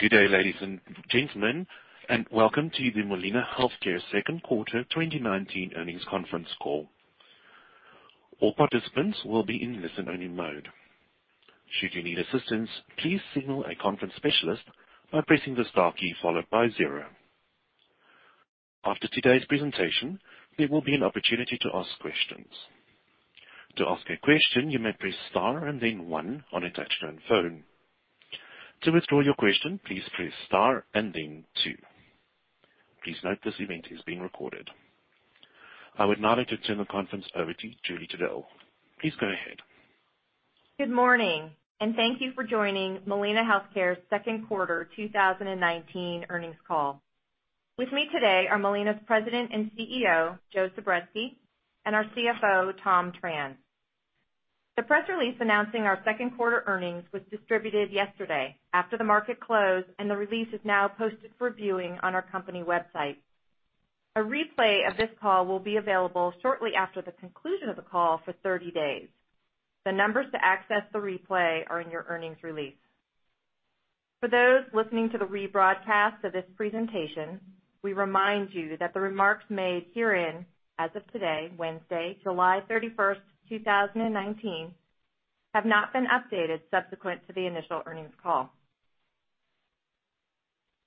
Good day, ladies and gentlemen, and welcome to the Molina Healthcare second quarter 2019 earnings conference call. All participants will be in listen-only mode. Should you need assistance, please signal a conference specialist by pressing the star key followed by zero. After today's presentation, there will be an opportunity to ask questions. To ask a question, you may press star and then one on a touch-tone phone. To withdraw your question, please press star and then two. Please note this event is being recorded. I would now like to turn the conference over to Julie Trudell. Please go ahead. Good morning, and thank you for joining Molina Healthcare's second quarter 2019 earnings call. With me today are Molina's President and CEO, Joe Zubretsky, and our CFO, Tom Tran. The press release announcing our second quarter earnings was distributed yesterday after the market closed, and the release is now posted for viewing on our company website. A replay of this call will be available shortly after the conclusion of the call for 30 days. The numbers to access the replay are in your earnings release. For those listening to the rebroadcast of this presentation, we remind you that the remarks made herein as of today, Wednesday, July 31st, 2019, have not been updated subsequent to the initial earnings call.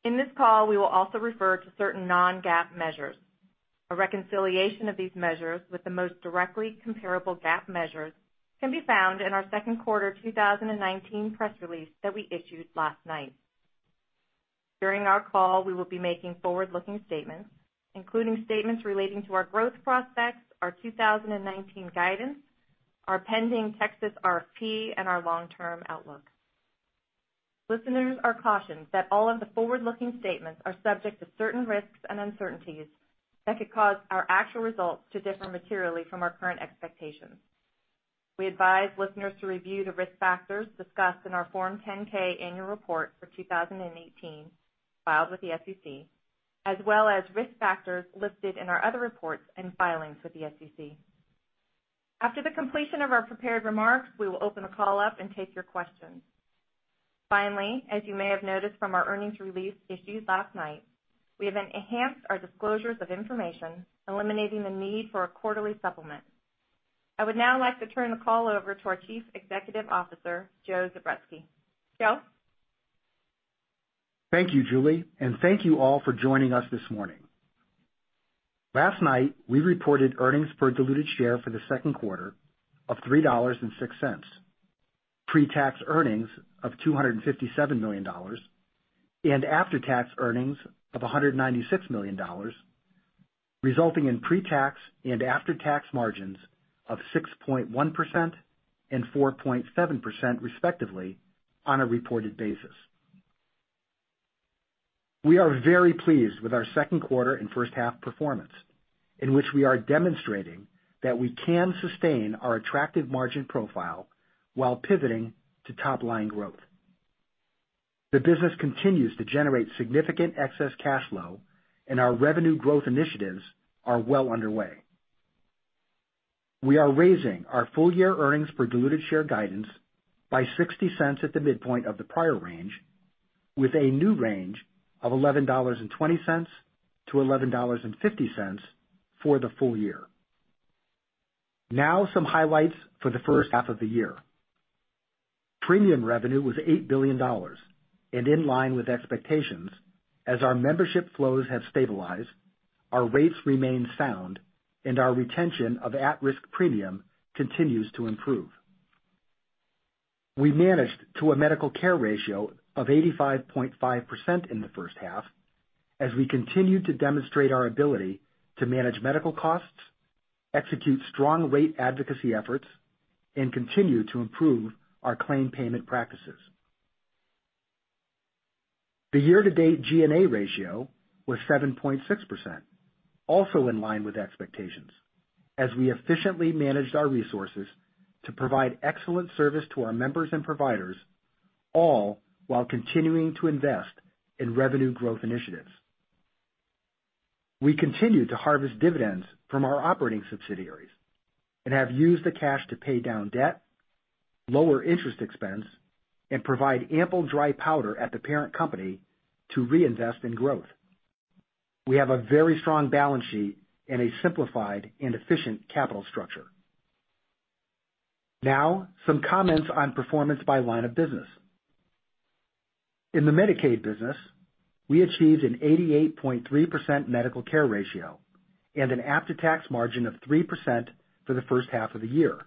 In this call, we will also refer to certain non-GAAP measures. A reconciliation of these measures with the most directly comparable GAAP measures can be found in our second quarter 2019 press release that we issued last night. During our call, we will be making forward-looking statements, including statements relating to our growth prospects, our 2019 guidance, our pending Texas RFP, and our long-term outlook. Listeners are cautioned that all of the forward-looking statements are subject to certain risks and uncertainties that could cause our actual results to differ materially from our current expectations. We advise listeners to review the risk factors discussed in our Form 10-K annual report for 2018 filed with the SEC, as well as risk factors listed in our other reports and filings with the SEC. After the completion of our prepared remarks, we will open the call up and take your questions. Finally, as you may have noticed from our earnings release issued last night, we have enhanced our disclosures of information, eliminating the need for a quarterly supplement. I would now like to turn the call over to our Chief Executive Officer, Joe Zubretsky. Joe? Thank you, Julie, and thank you all for joining us this morning. Last night, we reported earnings per diluted share for the second quarter of $3.06, pre-tax earnings of $257 million, and after-tax earnings of $196 million, resulting in pre-tax and after-tax margins of 6.1% and 4.7% respectively on a reported basis. We are very pleased with our second quarter and first half performance, in which we are demonstrating that we can sustain our attractive margin profile while pivoting to top-line growth. The business continues to generate significant excess cash flow and our revenue growth initiatives are well underway. We are raising our full year earnings per diluted share guidance by $0.60 at the midpoint of the prior range, with a new range of $11.20-$11.50 for the full year. Now, some highlights for the first half of the year. Premium revenue was $8 billion and in line with expectations as our membership flows have stabilized, our rates remain sound, and our retention of at-risk premium continues to improve. We managed to a medical care ratio of 85.5% in the first half as we continue to demonstrate our ability to manage medical costs, execute strong rate advocacy efforts, and continue to improve our claim payment practices. The year-to-date G&A ratio was 7.6%, also in line with expectations as we efficiently managed our resources to provide excellent service to our members and providers, all while continuing to invest in revenue growth initiatives. We continue to harvest dividends from our operating subsidiaries and have used the cash to pay down debt, lower interest expense, and provide ample dry powder at the parent company to reinvest in growth. We have a very strong balance sheet and a simplified and efficient capital structure. Now, some comments on performance by line of business. In the Medicaid business, we achieved an 88.3% medical care ratio and an after-tax margin of 3% for the first half of the year,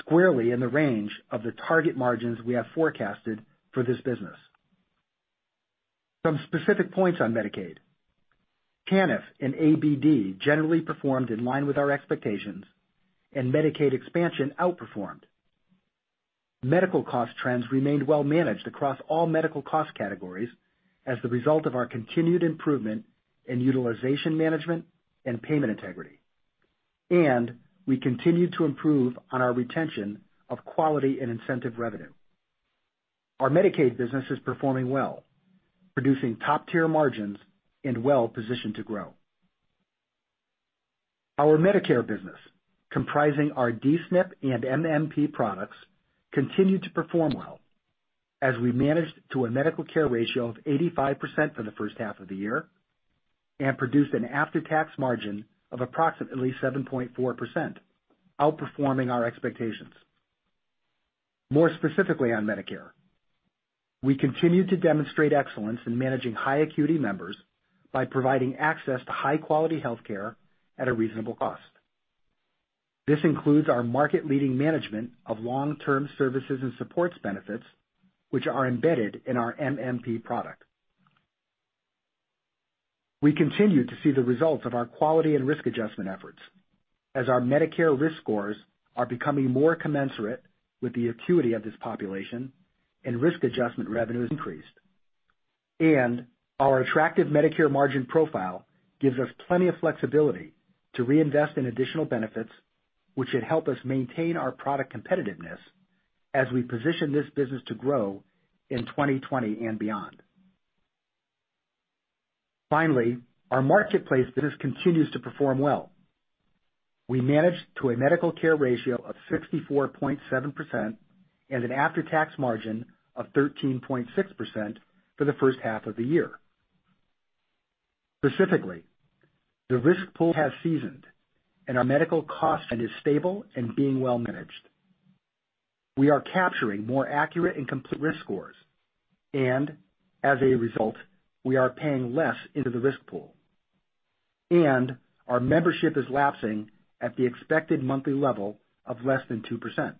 squarely in the range of the target margins we have forecasted for this business. Some specific points on Medicaid. TANF and ABD generally performed in line with our expectations, and Medicaid expansion outperformed. Medical cost trends remained well managed across all medical cost categories as the result of our continued improvement in utilization management and payment integrity. We continued to improve on our retention of quality and incentive revenue. Our Medicaid business is performing well, producing top-tier margins and well-positioned to grow. Our Medicare business, comprising our D-SNP and MMP products, continued to perform well as we managed to a medical care ratio of 85% for the first half of the year and produced an after-tax margin of approximately 7.4%, outperforming our expectations. More specifically on Medicare, we continued to demonstrate excellence in managing high acuity members by providing access to high-quality healthcare at a reasonable cost. This includes our market-leading management of long-term services and supports benefits, which are embedded in our MMP product. We continue to see the results of our quality and risk adjustment efforts as our Medicare risk scores are becoming more commensurate with the acuity of this population and risk adjustment revenue has increased. Our attractive Medicare margin profile gives us plenty of flexibility to reinvest in additional benefits, which should help us maintain our product competitiveness as we position this business to grow in 2020 and beyond. Finally, our Marketplace business continues to perform well. We managed to a medical care ratio of 64.7% and an after-tax margin of 13.6% for the first half of the year. Specifically, the risk pool has seasoned, and our medical cost trend is stable and being well managed. We are capturing more accurate and complete risk scores. As a result, we are paying less into the risk pool, and our membership is lapsing at the expected monthly level of less than 2%.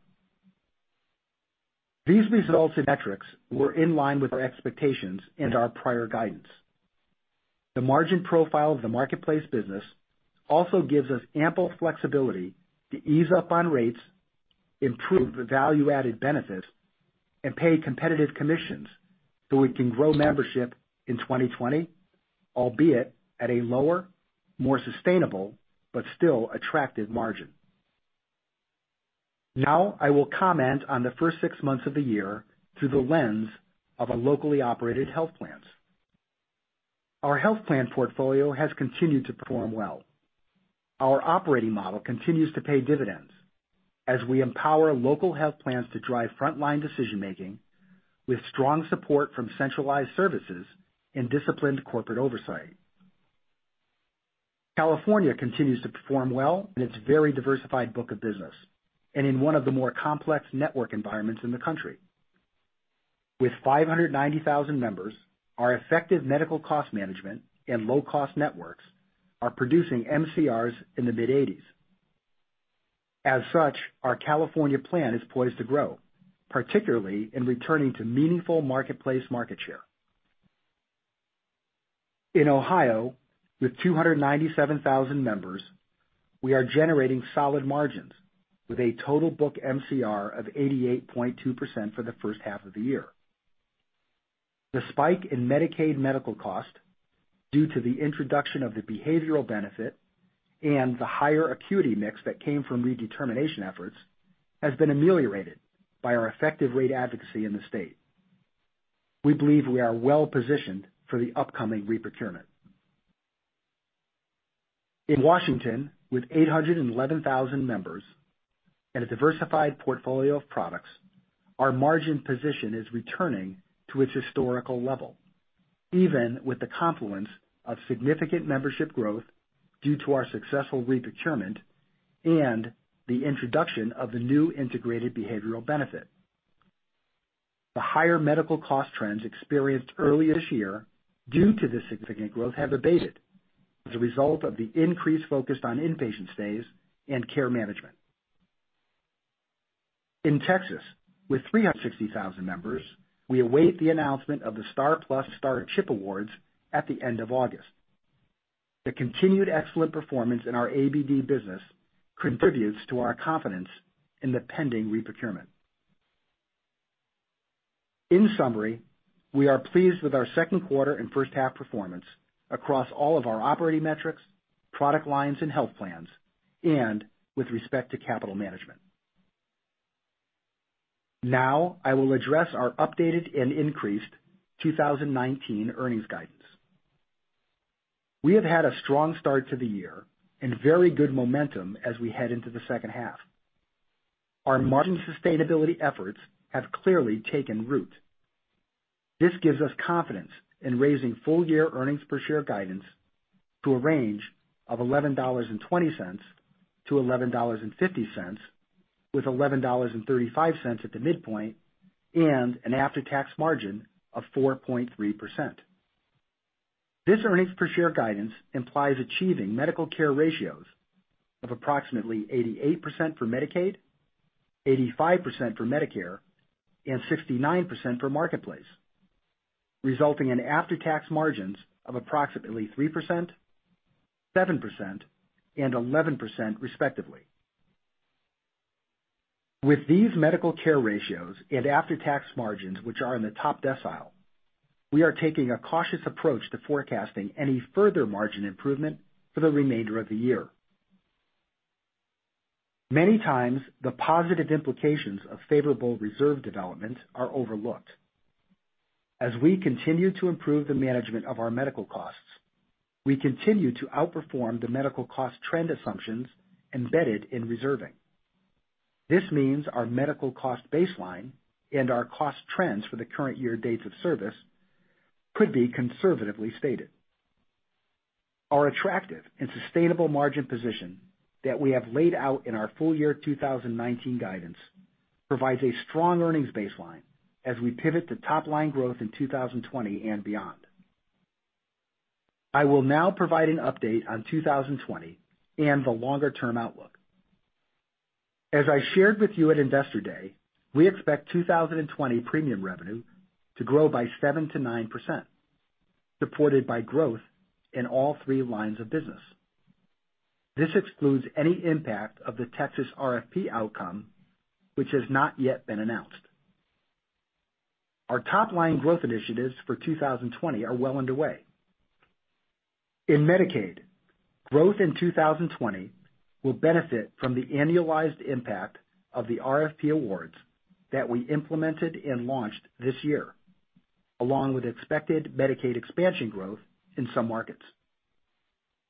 These results and metrics were in line with our expectations and our prior guidance. The margin profile of the Marketplace business also gives us ample flexibility to ease up on rates, improve the value-added benefits, and pay competitive commissions so we can grow membership in 2020, albeit at a lower, more sustainable, but still attractive margin. Now I will comment on the first six months of the year through the lens of our locally operated health plans. Our health plan portfolio has continued to perform well. Our operating model continues to pay dividends as we empower local health plans to drive frontline decision-making with strong support from centralized services and disciplined corporate oversight. California continues to perform well in its very diversified book of business and in one of the more complex network environments in the country. With 590,000 members, our effective medical cost management and low-cost networks are producing MCRs in the mid-80s. As such, our California plan is poised to grow, particularly in returning to meaningful Marketplace market share. In Ohio, with 297,000 members, we are generating solid margins with a total book MCR of 88.2% for the first half of the year. The spike in Medicaid medical cost due to the introduction of the behavioral benefit and the higher acuity mix that came from redetermination efforts has been ameliorated by our effective rate advocacy in the state. We believe we are well positioned for the upcoming re-procurement. In Washington, with 811,000 members and a diversified portfolio of products, our margin position is returning to its historical level, even with the confluence of significant membership growth due to our successful re-procurement and the introduction of the new integrated behavioral benefit. The higher medical cost trends experienced early this year due to this significant growth have abated as a result of the increased focus on inpatient stays and care management. In Texas, with 360,000 members, we await the announcement of the STAR+PLUS, STAR CHIP awards at the end of August. The continued excellent performance in our ABD business contributes to our confidence in the pending re-procurement. In summary, we are pleased with our second quarter and first half performance across all of our operating metrics, product lines, and health plans, and with respect to capital management. Now, I will address our updated and increased 2019 earnings guidance. We have had a strong start to the year and very good momentum as we head into the second half. Our margin sustainability efforts have clearly taken root. This gives us confidence in raising full-year earnings per share guidance to a range of $11.20-$11.50, with $11.35 at the midpoint, and an after-tax margin of 4.3%. This earnings per share guidance implies achieving medical care ratios of approximately 88% for Medicaid, 85% for Medicare, and 69% for Marketplace, resulting in after-tax margins of approximately 3%, 7%, and 11% respectively. With these medical care ratios and after-tax margins, which are in the top decile, we are taking a cautious approach to forecasting any further margin improvement for the remainder of the year. Many times, the positive implications of favorable reserve development are overlooked. As we continue to improve the management of our medical costs, we continue to outperform the medical cost trend assumptions embedded in reserving. This means our medical cost baseline and our cost trends for the current year dates of service could be conservatively stated. Our attractive and sustainable margin position that we have laid out in our full year 2019 guidance provides a strong earnings baseline as we pivot to top line growth in 2020 and beyond. I will now provide an update on 2020 and the longer-term outlook. As I shared with you at Investor Day, we expect 2020 premium revenue to grow by 7%-9%, supported by growth in all three lines of business. This excludes any impact of the Texas RFP outcome, which has not yet been announced. Our top-line growth initiatives for 2020 are well underway. In Medicaid, growth in 2020 will benefit from the annualized impact of the RFP awards that we implemented and launched this year, along with expected Medicaid expansion growth in some markets.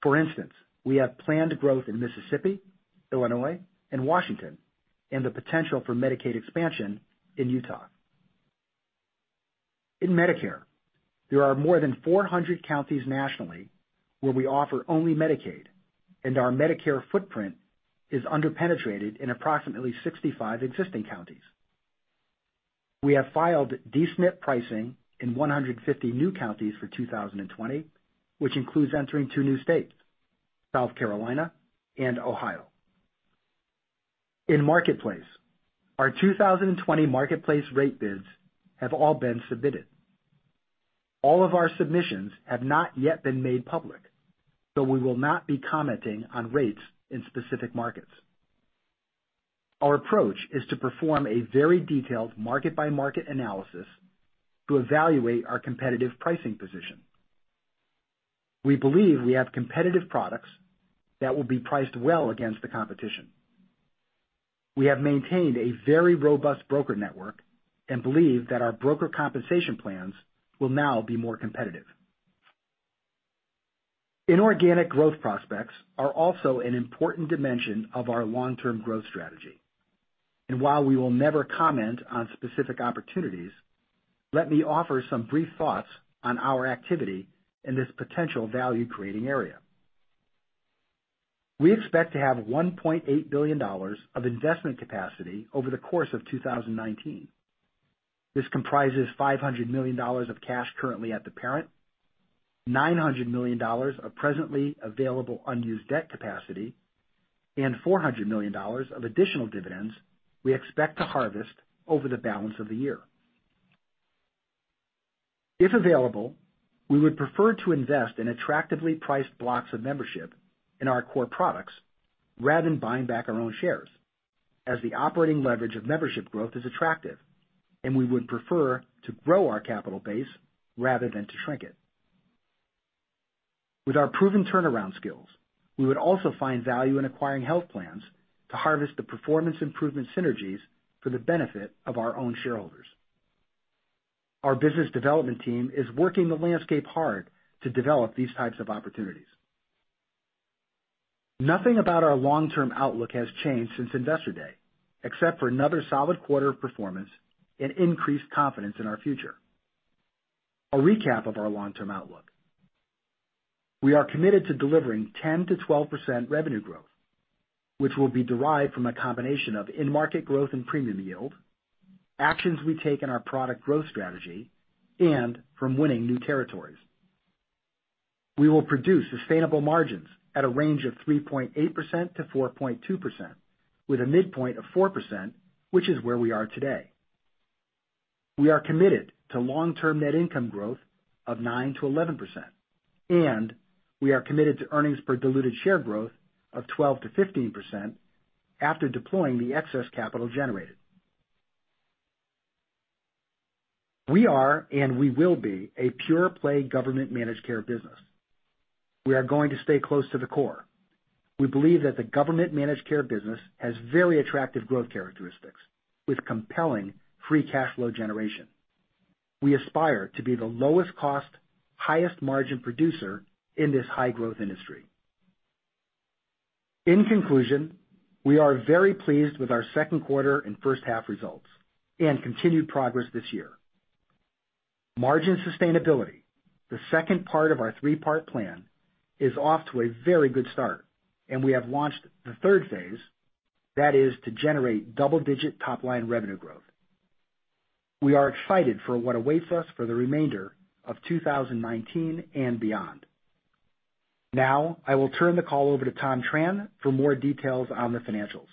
For instance, we have planned growth in Mississippi, Illinois, and Washington, and the potential for Medicaid expansion in Utah. In Medicare, there are more than 400 counties nationally where we offer only Medicaid, and our Medicare footprint is under-penetrated in approximately 65 existing counties. We have filed D-SNP pricing in 150 new counties for 2020, which includes entering two new states, South Carolina and Ohio. In Marketplace, our 2020 Marketplace rate bids have all been submitted. All of our submissions have not yet been made public, so we will not be commenting on rates in specific markets. Our approach is to perform a very detailed market-by-market analysis to evaluate our competitive pricing position. We believe we have competitive products that will be priced well against the competition. We have maintained a very robust broker network and believe that our broker compensation plans will now be more competitive. Inorganic growth prospects are also an important dimension of our long-term growth strategy. While we will never comment on specific opportunities, let me offer some brief thoughts on our activity in this potential value-creating area. We expect to have $1.8 billion of investment capacity over the course of 2019. This comprises $500 million of cash currently at the parent, $900 million of presently available unused debt capacity, and $400 million of additional dividends we expect to harvest over the balance of the year. If available, we would prefer to invest in attractively priced blocks of membership in our core products rather than buying back our own shares, as the operating leverage of membership growth is attractive, and we would prefer to grow our capital base rather than to shrink it. With our proven turnaround skills, we would also find value in acquiring health plans to harvest the performance improvement synergies for the benefit of our own shareholders. Our business development team is working the landscape hard to develop these types of opportunities. Nothing about our long-term outlook has changed since Investor Day, except for another solid quarter of performance and increased confidence in our future. A recap of our long-term outlook. We are committed to delivering 10%-12% revenue growth, which will be derived from a combination of in-market growth and premium yield, actions we take in our product growth strategy, and from winning new territories. We will produce sustainable margins at a range of 3.8%-4.2%, with a midpoint of 4%, which is where we are today. We are committed to long-term net income growth of 9%-11%, and we are committed to earnings per diluted share growth of 12%-15% after deploying the excess capital generated. We are and we will be a pure-play government managed care business. We are going to stay close to the core. We believe that the government managed care business has very attractive growth characteristics with compelling free cash flow generation. We aspire to be the lowest cost, highest margin producer in this high-growth industry. In conclusion, we are very pleased with our second quarter and first half results and continued progress this year. Margin sustainability, the second part of our three-part plan, is off to a very good start, and we have launched the third phase, that is to generate double-digit top-line revenue growth. We are excited for what awaits us for the remainder of 2019 and beyond. Now, I will turn the call over to Tom Tran for more details on the financials.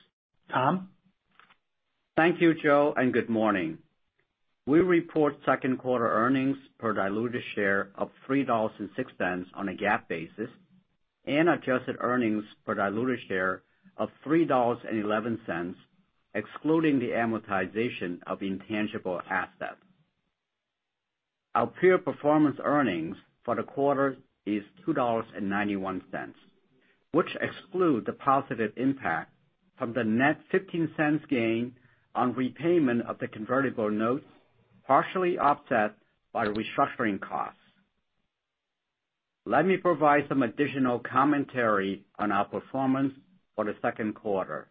Tom? Thank you, Joe, and good morning. We report second quarter earnings per diluted share of $3.06 on a GAAP basis and adjusted earnings per diluted share of $3.11, excluding the amortization of intangible assets. Our peer performance earnings for the quarter is $2.91, which exclude the positive impact from the net $0.15 gain on repayment of the convertible notes, partially offset by the restructuring costs. Let me provide some additional commentary on our performance for the second quarter.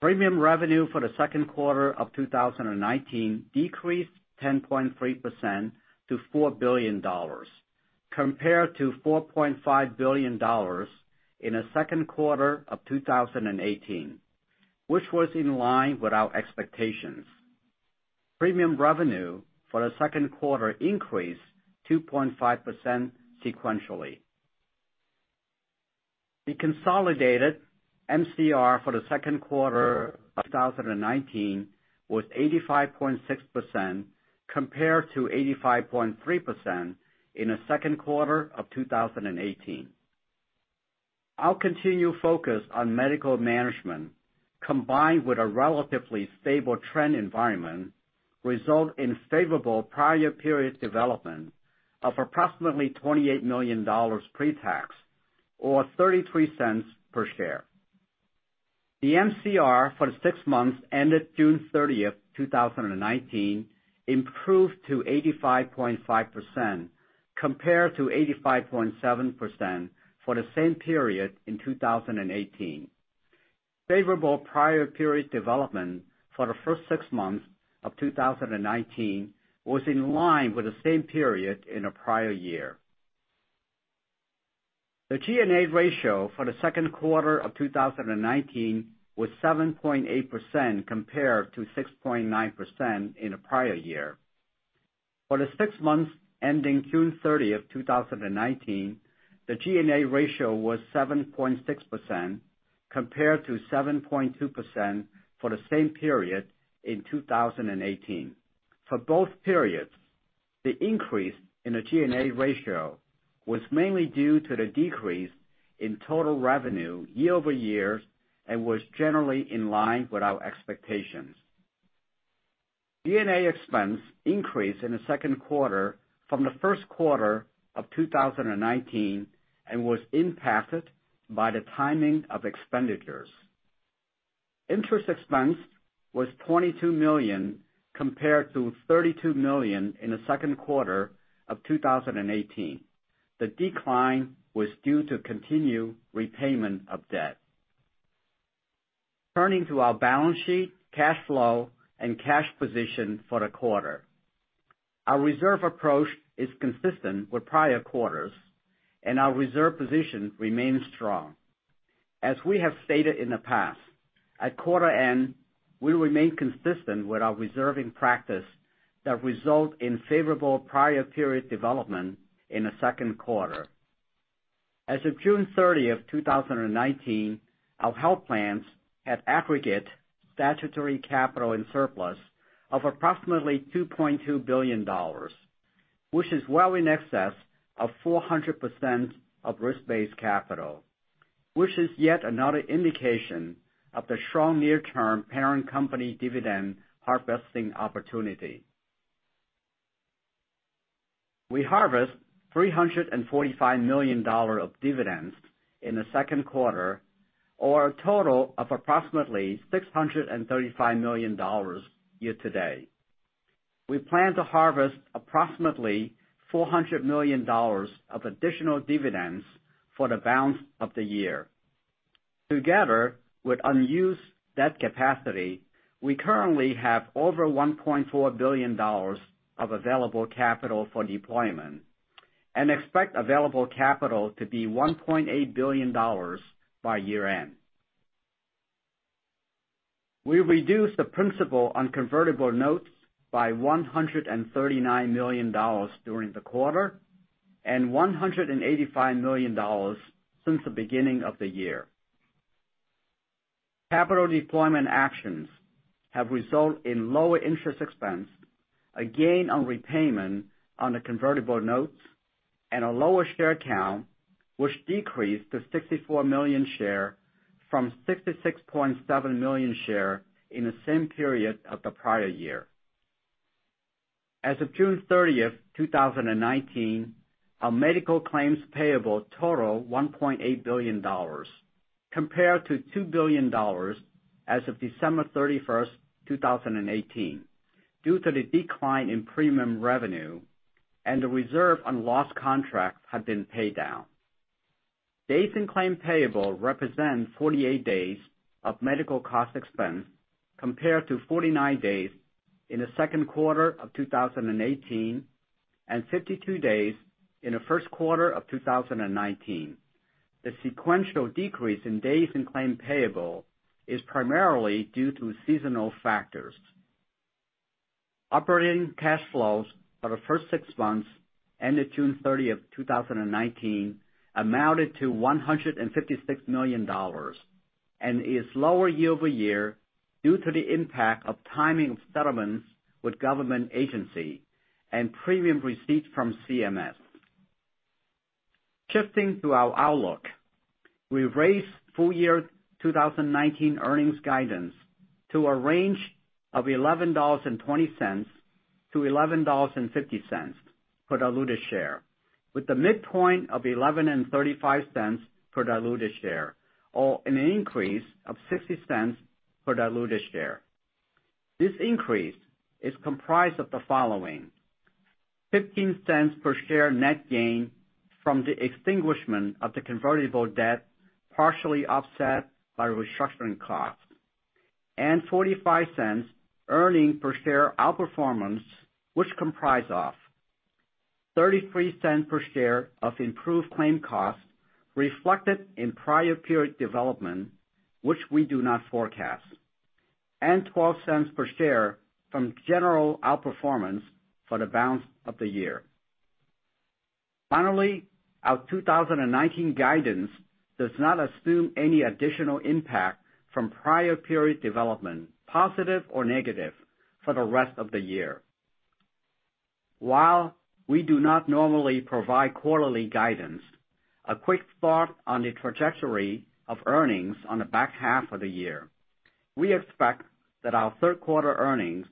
Premium revenue for the second quarter of 2019 decreased 10.3% to $4 billion, compared to $4.5 billion in the second quarter of 2018, which was in line with our expectations. Premium revenue for the second quarter increased 2.5% sequentially. The consolidated MCR for the second quarter of 2019 was 85.6%, compared to 85.3% in the second quarter of 2018. Our continued focus on medical management, combined with a relatively stable trend environment, result in favorable prior period development of approximately $28 million pre-tax, or $0.33 per share. The MCR for the six months ended June 30th, 2019 improved to 85.5%, compared to 85.7% for the same period in 2018. Favorable prior period development for the first six months of 2019 was in line with the same period in the prior year. The G&A ratio for the second quarter of 2019 was 7.8% compared to 6.9% in the prior year. For the six months ending June 30th, 2019, the G&A ratio was 7.6% compared to 7.2% for the same period in 2018. For both periods, the increase in the G&A ratio was mainly due to the decrease in total revenue year-over-year and was generally in line with our expectations. G&A expense increased in the second quarter from the first quarter of 2019 and was impacted by the timing of expenditures. Interest expense was $22 million compared to $32 million in the second quarter of 2018. The decline was due to continued repayment of debt. Turning to our balance sheet, cash flow, and cash position for the quarter. Our reserve approach is consistent with prior quarters, and our reserve position remains strong. As we have stated in the past, at quarter end, we remain consistent with our reserving practice that result in favorable prior period development in the second quarter. As of June 30th, 2019, our health plans had aggregate statutory capital and surplus of approximately $2.2 billion, which is well in excess of 400% of risk-based capital, which is yet another indication of the strong near-term parent company dividend harvesting opportunity. We harvested $345 million of dividends in the second quarter, or a total of approximately $635 million year-to-date. We plan to harvest approximately $400 million of additional dividends for the balance of the year. Together with unused debt capacity, we currently have over $1.4 billion of available capital for deployment and expect available capital to be $1.8 billion by year-end. We reduced the principal on convertible notes by $139 million during the quarter and $185 million since the beginning of the year. Capital deployment actions have resulted in lower interest expense, a gain on repayment on the convertible notes, and a lower share count, which decreased to 64 million share from 66.7 million share in the same period of the prior year. As of June 30th, 2019, our medical claims payable total $1.8 billion compared to $2 billion as of December 31st, 2018, due to the decline in premium revenue and the reserve on lost contracts have been paid down. Days in claim payable represent 48 days of medical cost expense, compared to 49 days in the second quarter of 2018 and 52 days in the first quarter of 2019. The sequential decrease in days in claim payable is primarily due to seasonal factors. Operating cash flows for the first six months ended June 30th, 2019 amounted to $156 million and is lower year-over-year due to the impact of timing of settlements with government agency and premium receipts from CMS. Shifting to our outlook. We've raised full year 2019 earnings guidance to a range of $11.20-$11.50 per diluted share, with the midpoint of $11.35 per diluted share, or an increase of $0.60 per diluted share. This increase is comprised of the following, $0.15 per share net gain from the extinguishment of the convertible debt, partially offset by restructuring costs, and $0.45 earnings per share out-performance, which comprise of $0.33 per share of improved claim costs reflected in prior period development, which we do not forecast, and $0.12 per share from general out-performance for the balance of the year. Finally, our 2019 guidance does not assume any additional impact from prior period development, positive or negative, for the rest of the year. While we do not normally provide quarterly guidance, a quick thought on the trajectory of earnings on the back half of the year. We expect that our third quarter earnings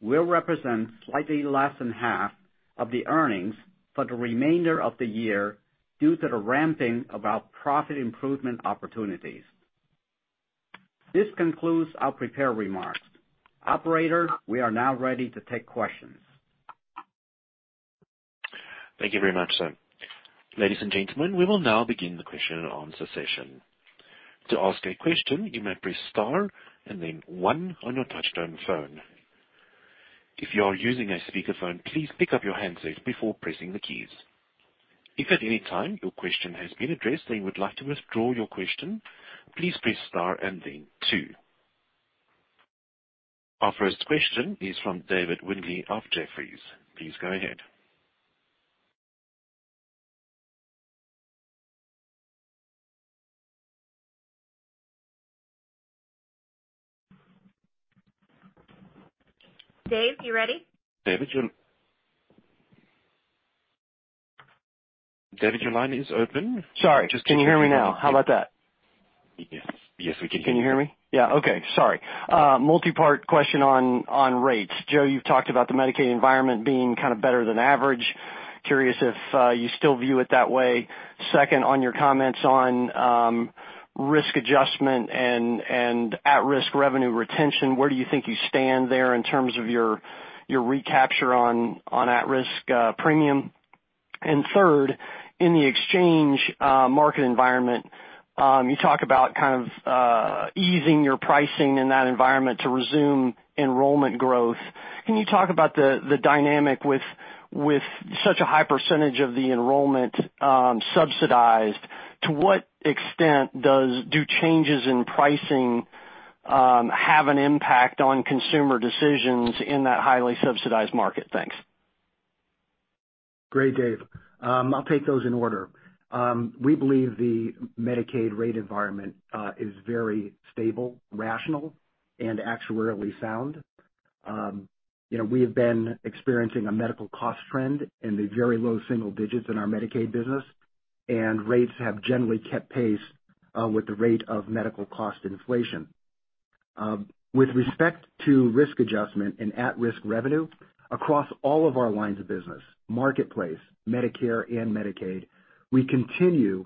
will represent slightly less than half of the earnings for the remainder of the year due to the ramping of our profit improvement opportunities. This concludes our prepared remarks. Operator, we are now ready to take questions. Thank you very much, sir. Ladies and gentlemen, we will now begin the question and answer session. To ask a question, you may press star and then one on your touch-tone phone. If you are using a speakerphone, please pick up your handset before pressing the keys. If at any time your question has been addressed and you would like to withdraw your question, please press star and then two. Our first question is from David Windley of Jefferies. Please go ahead. Dave, you ready? David, your line is open. Sorry. Can you hear me now? How about that? Yes. We can hear you. Can you hear me? Yeah. Okay, sorry. Multi-part question on rates. Joe, you've talked about the Medicaid environment being kind of better than average. Curious if you still view it that way. Second, on your comments on risk adjustment and at-risk revenue retention, where do you think you stand there in terms of your recapture on at-risk premium? Third, in the exchange market environment, you talk about kind of easing your pricing in that environment to resume enrollment growth. Can you talk about the dynamic with such a high percentage of the enrollment subsidized? To what extent do changes in pricing have an impact on consumer decisions in that highly subsidized market? Thanks. Great, Dave. I'll take those in order. We believe the Medicaid rate environment is very stable, rational, and actuarially sound. We have been experiencing a medical cost trend in the very low single digits in our Medicaid business, rates have generally kept pace with the rate of medical cost inflation. With respect to risk adjustment and at-risk revenue, across all of our lines of business, Marketplace, Medicare, and Medicaid, we continue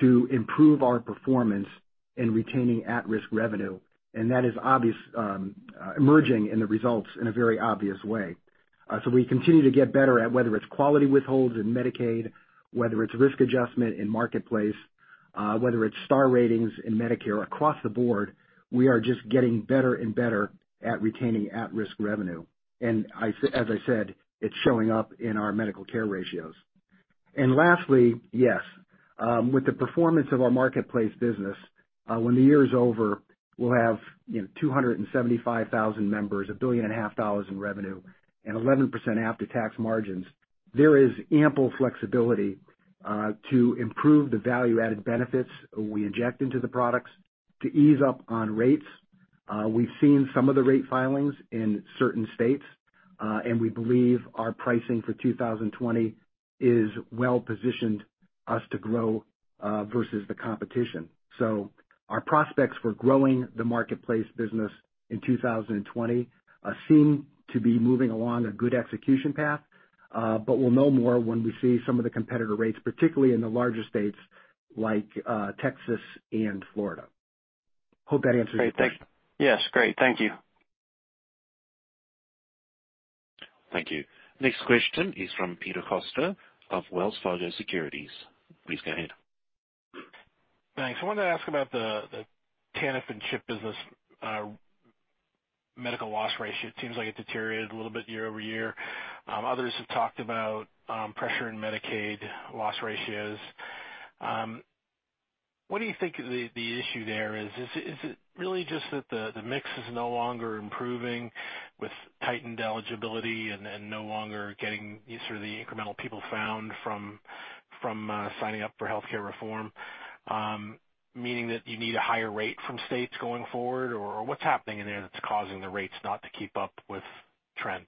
to improve our performance in retaining at-risk revenue, and that is emerging in the results in a very obvious way. We continue to get better at whether it's quality withholds in Medicaid, whether it's risk adjustment in Marketplace, whether it's star ratings in Medicare. Across the board, we are just getting better and better at retaining at-risk revenue. As I said, it's showing up in our medical care ratios. Lastly, yes. With the performance of our Marketplace business, when the year is over, we'll have 275,000 members, $1.5 billion in revenue, and 11% after-tax margins. There is ample flexibility to improve the value-added benefits we inject into the products to ease up on rates. We've seen some of the rate filings in certain states, we believe our pricing for 2020 is well-positioned us to grow versus the competition. Our prospects for growing the Marketplace business in 2020 seem to be moving along a good execution path. We'll know more when we see some of the competitor rates, particularly in the larger states like Texas and Florida. Hope that answers your question. Yes. Great. Thank you. Thank you. Next question is from Peter Costa of Wells Fargo Securities. Please go ahead. Thanks. I wanted to ask about the TANF and CHIP business medical loss ratio. It seems like it deteriorated a little bit year-over-year. Others have talked about pressure in Medicaid loss ratios. What do you think the issue there is? Is it really just that the mix is no longer improving with tightened eligibility and no longer getting sort of the incremental people found from signing up for healthcare reform? Meaning that you need a higher rate from states going forward, or what's happening in there that's causing the rates not to keep up with trend?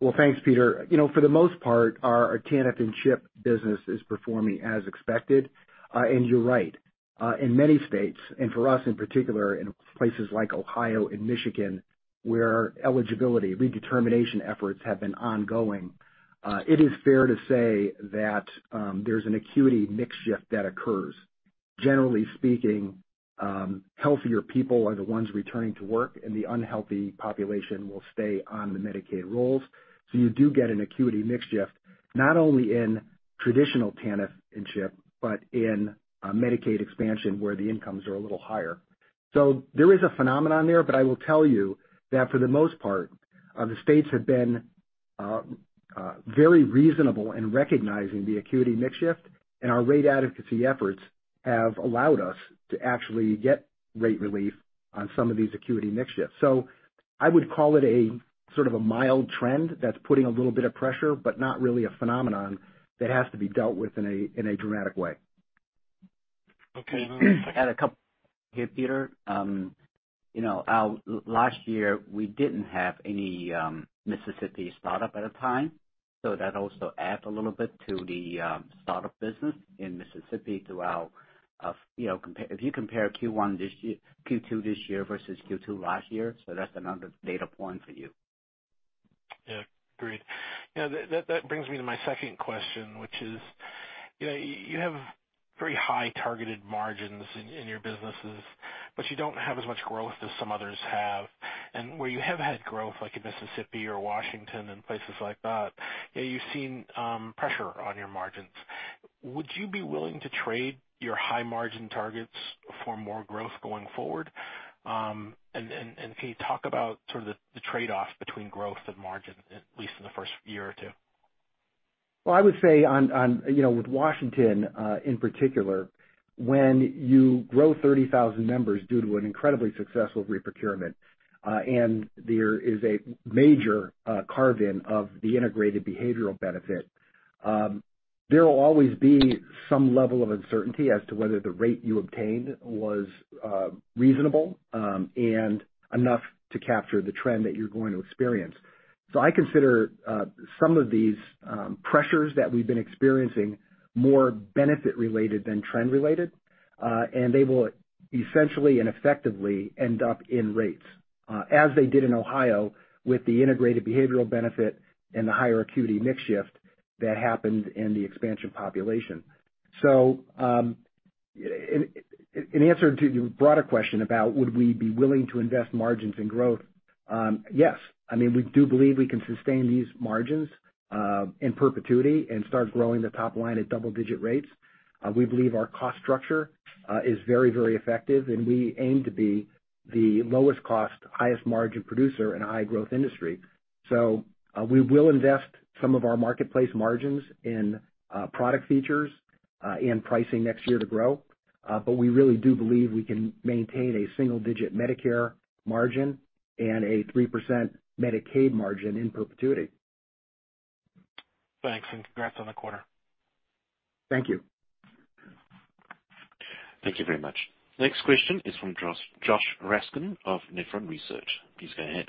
Well, thanks, Peter. For the most part, our TANF and CHIP business is performing as expected. You're right, in many states, and for us in particular, in places like Ohio and Michigan, where eligibility redetermination efforts have been ongoing, it is fair to say that there's an acuity mix shift that occurs. Generally speaking, healthier people are the ones returning to work, and the unhealthy population will stay on the Medicaid rolls. You do get an acuity mix shift, not only in traditional TANF and CHIP, but in Medicaid expansion, where the incomes are a little higher. There is a phenomenon there, but I will tell you that for the most part, the states have been very reasonable in recognizing the acuity mix shift, and our rate advocacy efforts have allowed us to actually get rate relief on some of these acuity mix shifts. I would call it a sort of a mild trend that's putting a little bit of pressure, but not really a phenomenon that has to be dealt with in a dramatic way. Okay. I got a couple here, Peter. Last year, we didn't have any Mississippi start-up at a time, so that also add a little bit to the start-up business in Mississippi throughout. If you compare Q2 this year versus Q2 last year, so that's another data point for you. Yeah, agreed. That brings me to my second question, which is, you have very high targeted margins in your businesses, but you don't have as much growth as some others have. Where you have had growth, like in Mississippi or Washington and places like that, you've seen pressure on your margins. Would you be willing to trade your high margin targets for more growth going forward? Can you talk about sort of the trade-off between growth and margin, at least in the first year or two? Well, I would say with Washington in particular, when you grow 30,000 members due to an incredibly successful reprocurement, and there is a major carve-in of the integrated behavioral benefit, there will always be some level of uncertainty as to whether the rate you obtained was reasonable, and enough to capture the trend that you're going to experience. I consider some of these pressures that we've been experiencing more benefit related than trend related. They will essentially and effectively end up in rates, as they did in Ohio with the integrated behavioral benefit and the higher acuity mix shift that happened in the expansion population. In answer to your broader question about would we be willing to invest margins in growth? Yes. I mean, we do believe we can sustain these margins, in perpetuity and start growing the top line at double digit rates. We believe our cost structure is very, very effective, and we aim to be the lowest cost, highest margin producer in a high growth industry. We will invest some of our Marketplace margins in product features and pricing next year to grow. We really do believe we can maintain a single-digit Medicare margin and a 3% Medicaid margin in perpetuity. Thanks, and congrats on the quarter. Thank you. Thank you very much. Next question is from Josh Raskin of Nephron Research. Please go ahead.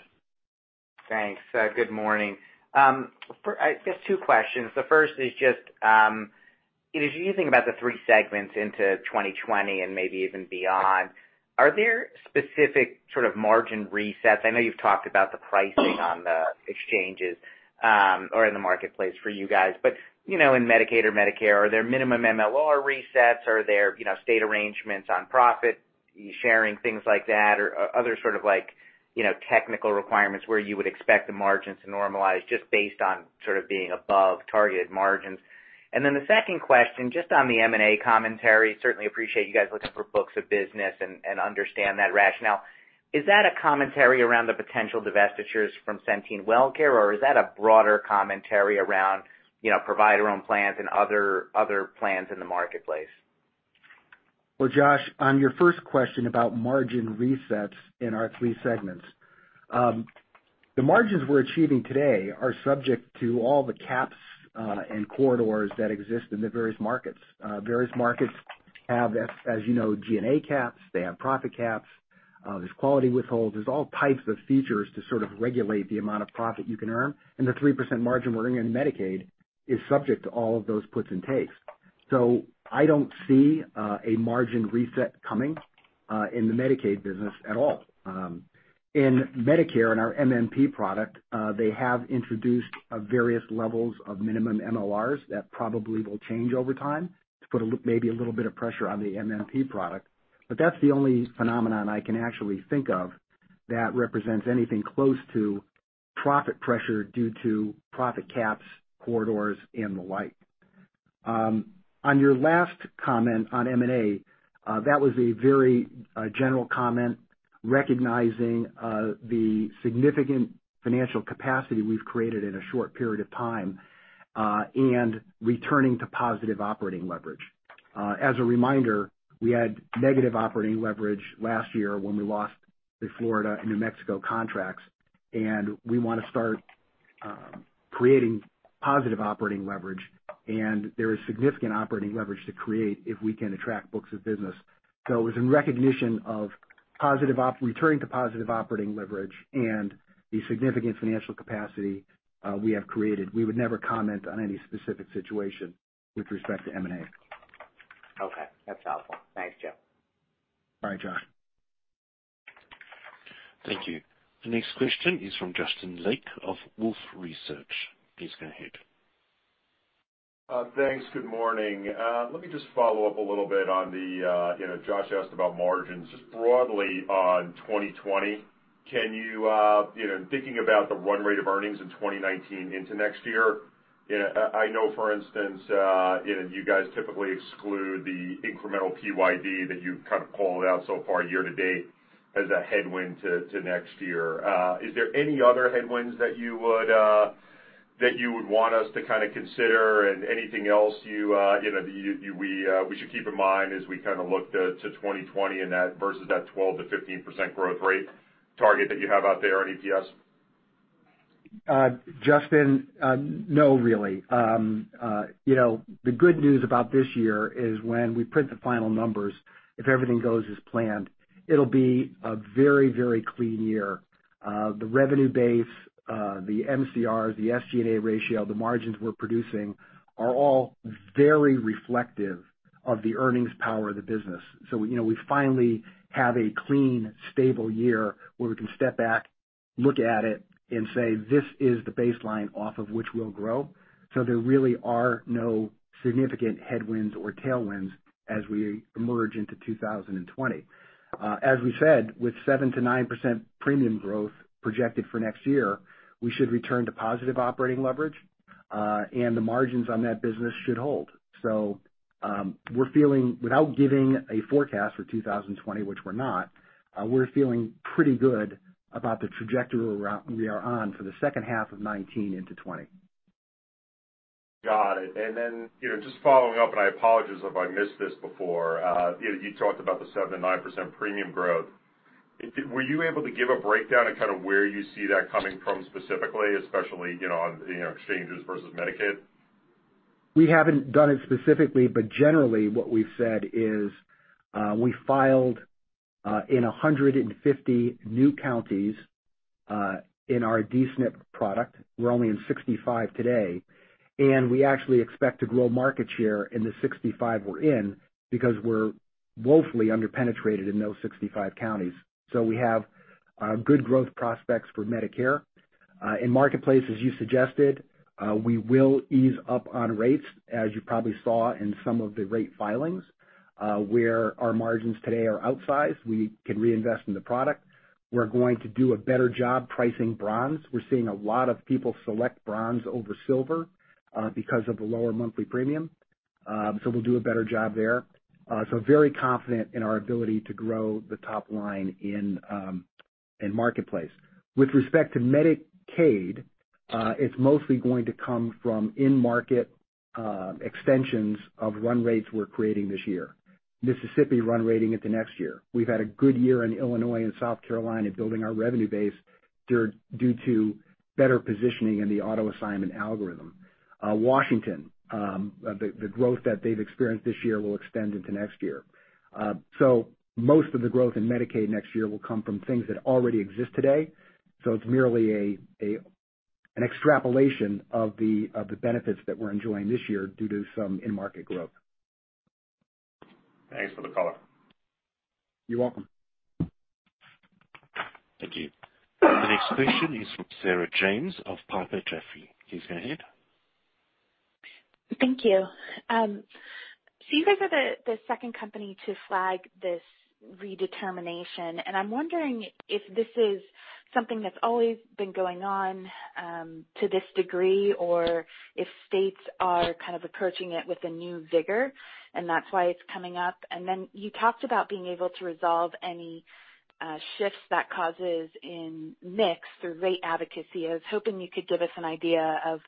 Thanks. Good morning. Just two questions. The first is just, as you think about the three segments into 2020 and maybe even beyond, are there specific sort of margin resets? I know you've talked about the pricing on the exchanges, or in the Marketplace for you guys. In Medicaid or Medicare, are there minimum MLR resets? Are there state arrangements on profit sharing, things like that, or other sort of technical requirements where you would expect the margins to normalize just based on sort of being above targeted margins? The second question, just on the M&A commentary, certainly appreciate you guys looking for books of business and understand that rationale. Is that a commentary around the potential divestitures from Centene Wellcare, or is that a broader commentary around provider-owned plans and other plans in the Marketplace? Josh, on your first question about margin resets in our three segments, the margins we're achieving today are subject to all the caps, and corridors that exist in the various markets. Various markets have, as you know, G&A caps. They have profit caps. There's quality withholds. There's all types of features to sort of regulate the amount of profit you can earn. The 3% margin we're earning in Medicaid is subject to all of those puts and takes. I don't see a margin reset coming in the Medicaid business at all. In Medicare, in our MMP product, they have introduced various levels of minimum MLRs that probably will change over time to put maybe a little bit of pressure on the MMP product. That's the only phenomenon I can actually think of that represents anything close to profit pressure due to profit caps, corridors, and the like. On your last comment on M&A, that was a very general comment recognizing the significant financial capacity we've created in a short period of time, and returning to positive operating leverage. As a reminder, we had negative operating leverage last year when we lost the Florida and New Mexico contracts, and we want to start creating positive operating leverage, and there is significant operating leverage to create if we can attract books of business. It was in recognition of returning to positive operating leverage and the significant financial capacity we have created. We would never comment on any specific situation with respect to M&A. Okay, that's helpful. Thanks, Joe. Bye, Josh. Thank you. The next question is from Justin Lake of Wolfe Research. Please go ahead. Thanks. Good morning. Let me just follow up a little bit on Josh asked about margins. Broadly on 2020, thinking about the run rate of earnings in 2019 into next year, I know, for instance, you guys typically exclude the incremental PYD that you've kind of called out so far year to date as a headwind to next year. Is there any other headwinds that you would want us to kind of consider and anything else we should keep in mind as we kind of look to 2020 and versus that 12%-15% growth rate target that you have out there on EPS? Justin, no, really. The good news about this year is when we print the final numbers, if everything goes as planned, it'll be a very, very clean year. The revenue base, the MCR, the SG&A ratio, the margins we're producing are all very reflective of the earnings power of the business. We finally have a clean, stable year where we can step back, look at it, and say, "This is the baseline off of which we'll grow." There really are no significant headwinds or tailwinds as we emerge into 2020. As we said, with 7%-9% premium growth projected for next year, we should return to positive operating leverage, and the margins on that business should hold. Without giving a forecast for 2020, which we're not, we're feeling pretty good about the trajectory we are on for the second half of 2019 into 2020. Got it. Just following up, and I apologize if I missed this before, you talked about the 7%-9% premium growth. Were you able to give a breakdown of kind of where you see that coming from specifically, especially on exchanges versus Medicaid? We haven't done it specifically, but generally what we've said is we filed in 150 new counties in our D-SNP product. We're only in 65 today. We actually expect to grow market share in the 65 we're in because we're woefully under-penetrated in those 65 counties. We have good growth prospects for Medicare. In Marketplace, as you suggested, we will ease up on rates, as you probably saw in some of the rate filings. Where our margins today are outsized, we can reinvest in the product. We're going to do a better job pricing bronze. We're seeing a lot of people select bronze over silver because of the lower monthly premium. We'll do a better job there. Very confident in our ability to grow the top line in Marketplace. With respect to Medicaid, it's mostly going to come from in-market extensions of run rates we're creating this year. Mississippi run rating into next year. We've had a good year in Illinois and South Carolina building our revenue base due to better positioning in the auto-assignment algorithm. Washington, the growth that they've experienced this year will extend into next year. Most of the growth in Medicaid next year will come from things that already exist today. It's merely an extrapolation of the benefits that we're enjoying this year due to some in-market growth. Thanks for the color. You're welcome. Thank you. The next question is from Sarah James of Piper Jaffray. Please go ahead. Thank you. You guys are the second company to flag this redetermination, I'm wondering if this is something that's always been going on to this degree or if states are kind of approaching it with a new vigor and that's why it's coming up. You talked about being able to resolve any shifts that causes in mix through rate advocacy. I was hoping you could give us an idea of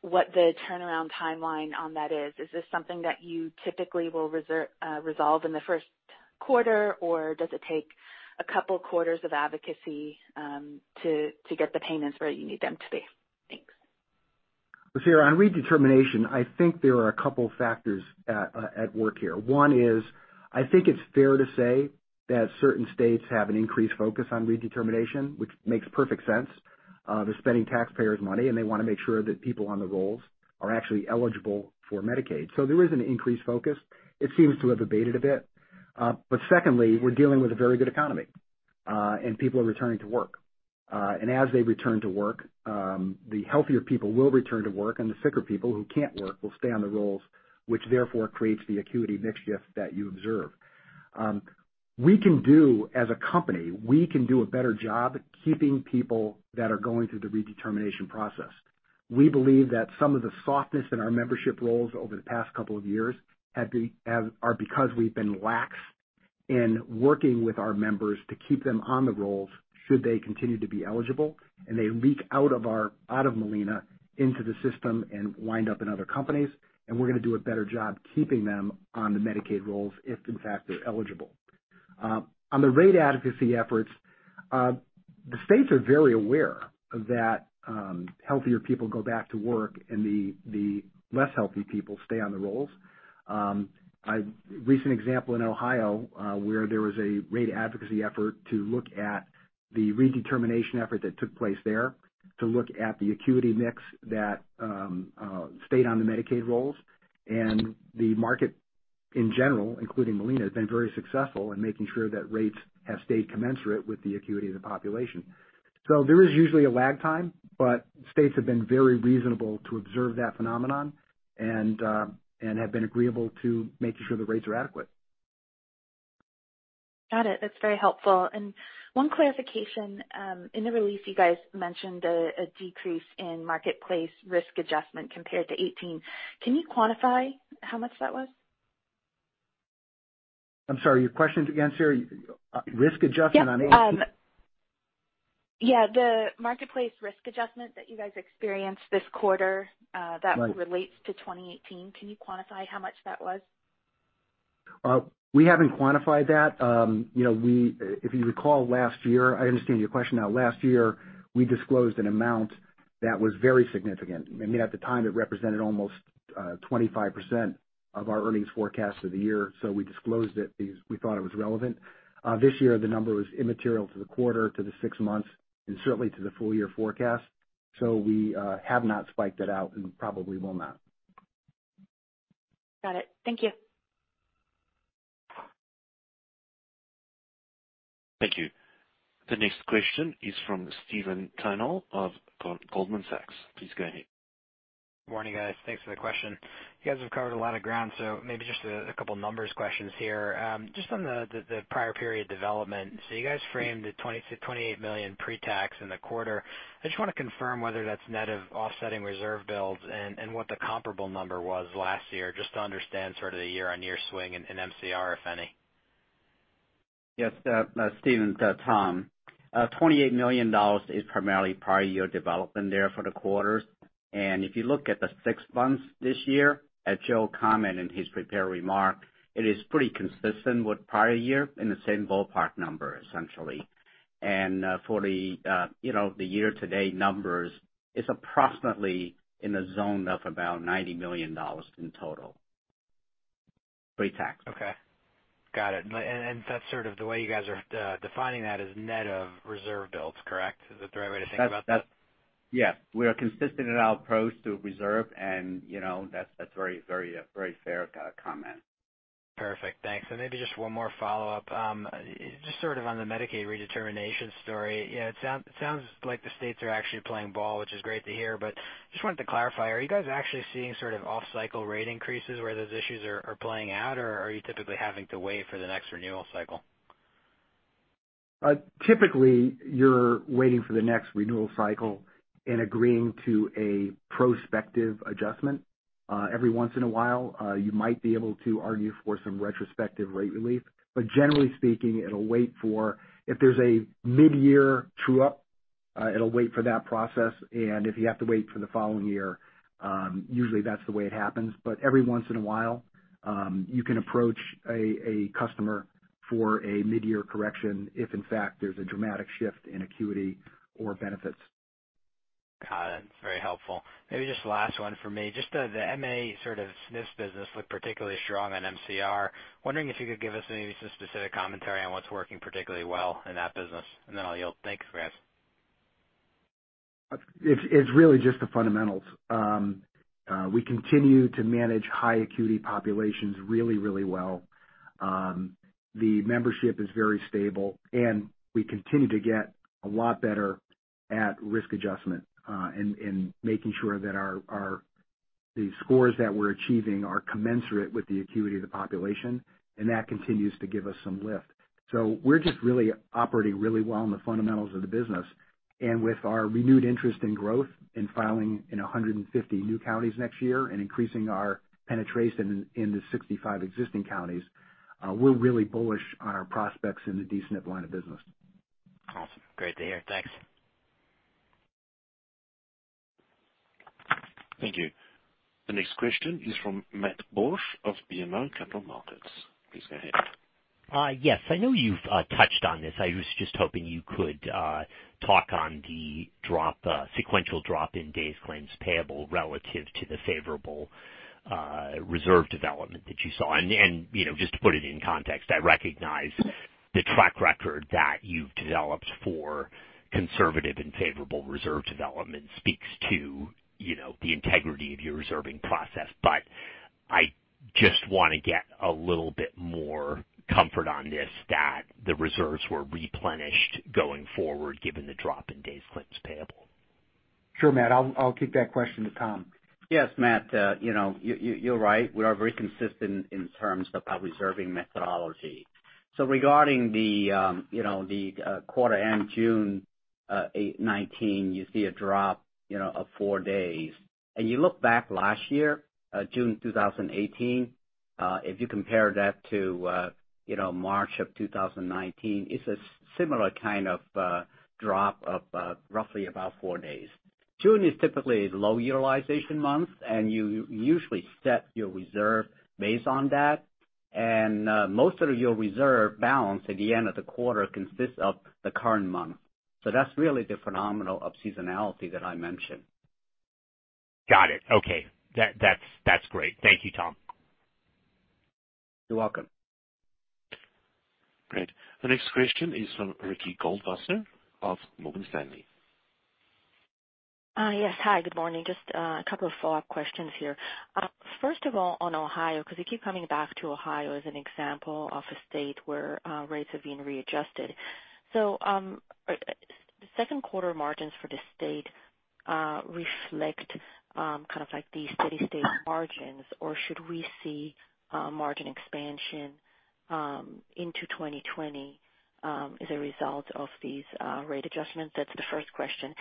what the turnaround timeline on that is. Is this something that you typically will resolve in the first quarter, or does it take a couple quarters of advocacy to get the payments where you need them to be? Thanks. Sarah, on redetermination, I think there are a couple factors at work here. One is, I think it's fair to say that certain states have an increased focus on redetermination, which makes perfect sense. They're spending taxpayers' money, and they want to make sure that people on the rolls are actually eligible for Medicaid. There is an increased focus. It seems to have abated a bit. Secondly, we're dealing with a very good economy, people are returning to work. As they return to work, the healthier people will return to work, and the sicker people who can't work will stay on the rolls, which therefore creates the acuity mix shift that you observe. As a company, we can do a better job keeping people that are going through the redetermination process. We believe that some of the softness in our membership rolls over the past couple of years are because we've been lax in working with our members to keep them on the rolls should they continue to be eligible, and they leak out of Molina into the system and wind up in other companies, and we're going to do a better job keeping them on the Medicaid rolls if in fact they're eligible. On the rate advocacy efforts, the states are very aware that healthier people go back to work and the less healthy people stay on the rolls. A recent example in Ohio, where there was a rate advocacy effort to look at the redetermination effort that took place there, to look at the acuity mix that stayed on the Medicaid rolls, and the market in general, including Molina, has been very successful in making sure that rates have stayed commensurate with the acuity of the population. There is usually a lag time, but states have been very reasonable to observe that phenomenon, and have been agreeable to making sure the rates are adequate. Got it. That's very helpful. One clarification. In the release, you guys mentioned a decrease in Marketplace risk adjustment compared to 2018. Can you quantify how much that was? I'm sorry, your question again, Sarah? Risk adjustment on 2018? Yeah, the Marketplace risk adjustment that you guys experienced this quarter that relates to 2018, can you quantify how much that was? We haven't quantified that. If you recall last year, I understand your question now. Last year, we disclosed an amount that was very significant. I mean, at the time, it represented almost 25% of our earnings forecast for the year, so we disclosed it because we thought it was relevant. This year, the number was immaterial to the quarter, to the six months, and certainly to the full-year forecast. We have not spiked it out and probably will not. Got it. Thank you. Thank you. The next question is from Stephen Tanal of Goldman Sachs. Please go ahead. Morning, guys. Thanks for the question. You guys have covered a lot of ground, so maybe just a couple numbers questions here just on the prior period development. You guys framed the $28 million pre-tax in the quarter. I just want to confirm whether that's net of offsetting reserve builds and what the comparable number was last year, just to understand sort of the year-on-year swing in MCR, if any. Yes. Stephen, it's Tom. $28 million is primarily prior year development there for the quarters. If you look at the six months this year, as Joe commented in his prepared remark, it is pretty consistent with prior year, in the same ballpark number, essentially. For the year-to-date numbers, it's approximately in the zone of about $90 million in total, pre-tax. Okay. Got it. That's sort of the way you guys are defining that is net of reserve builds, correct? Is that the right way to think about that? Yes. We are consistent in our approach to reserve, and that's a very, very fair comment. Perfect. Thanks. Maybe just one more follow-up. Just sort of on the Medicaid redetermination story. It sounds like the states are actually playing ball, which is great to hear, but just wanted to clarify, are you guys actually seeing sort of off-cycle rate increases where those issues are playing out, or are you typically having to wait for the next renewal cycle? Typically, you're waiting for the next renewal cycle and agreeing to a prospective adjustment. Every once in a while, you might be able to argue for some retrospective rate relief, but generally speaking, if there's a mid-year true-up, it'll wait for that process. If you have to wait for the following year, usually that's the way it happens. Every once in a while, you can approach a customer for a mid-year correction if, in fact, there's a dramatic shift in acuity or benefits. Got it. That's very helpful. Maybe just the last one for me, just the MA sort of D-SNPs business looked particularly strong on MCR. I'm wondering if you could give us maybe some specific commentary on what's working particularly well in that business, and then I'll yield. Thanks, guys. It's really just the fundamentals. We continue to manage high acuity populations really, really well. The membership is very stable, and we continue to get a lot better at risk adjustment, and making sure that the scores that we're achieving are commensurate with the acuity of the population, and that continues to give us some lift. We're just really operating really well on the fundamentals of the business. With our renewed interest in growth and filing in 150 new counties next year and increasing our penetration in the 65 existing counties, we're really bullish on our prospects in the D-SNP line of business. Awesome. Great to hear. Thanks. Thank you. The next question is from Matt Borsch of BMO Capital Markets. Please go ahead. Yes. I know you've touched on this. I was just hoping you could talk on the sequential drop in days claims payable relative to the favorable reserve development that you saw. Just to put it in context, I recognize the track record that you've developed for conservative and favorable reserve development speaks to the integrity of your reserving process. I just want to get a little bit more comfort on this, that the reserves were replenished going forward given the drop in days claims payable. Sure, Matt. I'll kick that question to Tom. Yes, Matt. You're right. We are very consistent in terms of our reserving methodology. Regarding the quarter end June 2019, you see a drop of four days. You look back last year, June 2018, if you compare that to March of 2019, it's a similar kind of drop of roughly about four days. June is typically a low utilization month, and you usually set your reserve based on that. Most of your reserve balance at the end of the quarter consists of the current month. That's really the phenomenon of seasonality that I mentioned. Got it. Okay. That's great. Thank you, Tom. You're welcome. Great. The next question is from Ricky Goldwasser of Morgan Stanley. Yes. Hi, good morning. Just a couple of follow-up questions here. First of all, on Ohio, because we keep coming back to Ohio as an example of a state where rates have been readjusted. The second quarter margins for the state reflect kind of like the steady state margins, or should we see margin expansion into 2020 as a result of these rate adjustments? That's the first question.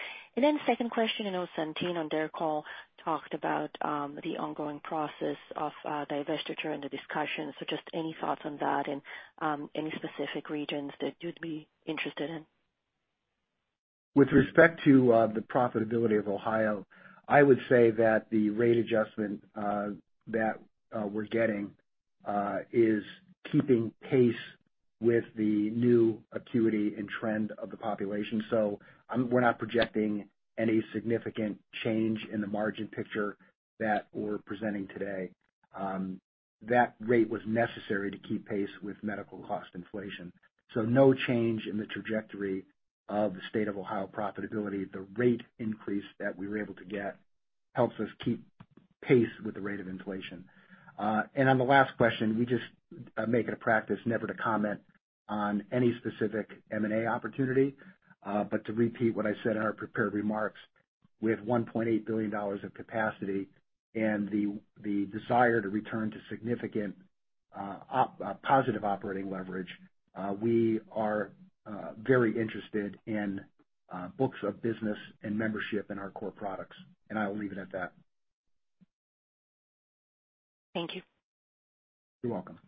Second question, I know Centene on their call talked about the ongoing process of divestiture and the discussions. Just any thoughts on that and any specific regions that you'd be interested in? With respect to the profitability of Ohio, I would say that the rate adjustment that we're getting is keeping pace with the new acuity and trend of the population. We're not projecting any significant change in the margin picture that we're presenting today. That rate was necessary to keep pace with medical cost inflation. No change in the trajectory of the State of Ohio profitability. The rate increase that we were able to get helps us keep pace with the rate of inflation. On the last question, we just make it a practice never to comment on any specific M&A opportunity. To repeat what I said in our prepared remarks, we have $1.8 billion of capacity and the desire to return to significant positive operating leverage. We are very interested in books of business and membership in our core products, and I'll leave it at that. Thank you. You're welcome.